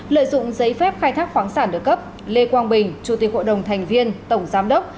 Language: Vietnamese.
lợi dụng giấy phép khai thác khoáng sản được cấp lê quang bình chủ tịch hội đồng thành viên tổng giám đốc